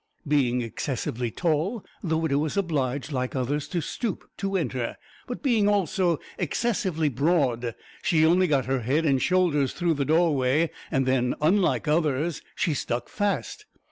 Being excessively tall, the widow was obliged, like others, to stoop to enter; but being also excessively broad, she only got her head and shoulders through the doorway, and then, unlike others, she stuck fast.